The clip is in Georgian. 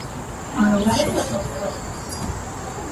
ტბები ხელს უწყობს ტრადიციულ მეთევზეობას.